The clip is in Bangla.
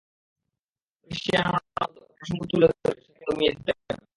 তবে ক্রিস্টিয়ানো রোনালদো একটা প্রসঙ্গ তুলে ধরে শাকিরাকে দমিয়ে দিতে পারেন।